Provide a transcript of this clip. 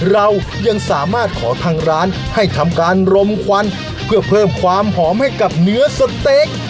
เรายังสามารถขอทางร้านให้ทำการรมควันเพื่อเพิ่มความหอมให้กับเนื้อสเต๊ก